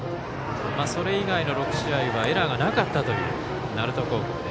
それ以外の６試合はエラーがなかったという鳴門高校。